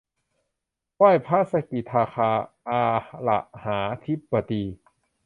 ไหว้พระสกิทาคา อะระหาธิบดี